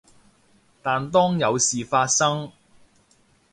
但當有事發生